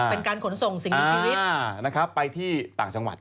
เป็นการขนส่งสิ่งมีชีวิตนะครับไปที่ต่างจังหวัด